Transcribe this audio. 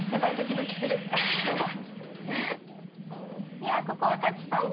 いやここは勝ちたいな。